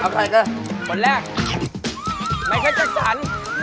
คนแรกไม่เคยจะสัน